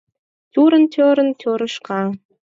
Тӱрын-тӧрын тӧрышка